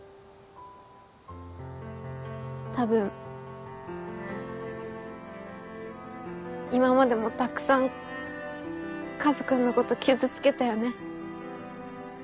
多分今までもたくさんカズくんのこと傷つけたよね？